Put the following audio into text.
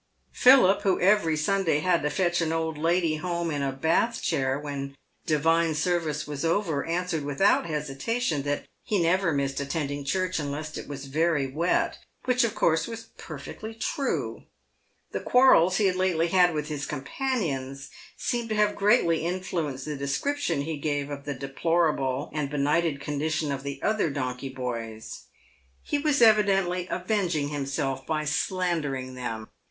Philip, who every Sunday had to fetch an old lady home in a Bath chair when divine service was over, answered without hesitation that he never missed attending church unless it was very wet, which, of course, was perfectly true. The quarrels he had lately had with his companions seemed to have greatly influenced the description he gave of the deplorable and benighted condition of the other donkey boys. He was evidently avenging himself by slandering them.